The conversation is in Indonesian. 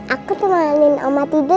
aku temanin mama tidur ya